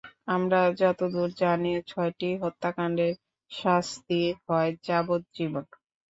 আমার যতদূর জানি, ছয়টি হত্যাকাণ্ডের শাস্তি হয় যাবজ্জীবন।